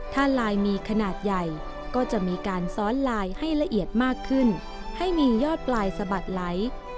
ถ้าลายมีขนาดใหญ่ก็จะมีการซ้อนลายให้ละเอียดมากขึ้นให้มียอดปลายสะบัดไหล